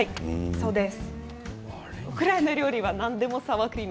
そうです。